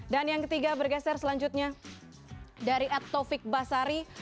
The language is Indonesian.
dan yang ketiga bergeser selanjutnya dari attofik basari